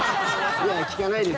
いやいや聞かないですよ。